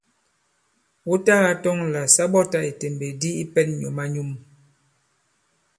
Wu tagā tɔŋ là sa ɓɔtā ìtèmbèk di i pɛ̄n nyǔm-a-nyum.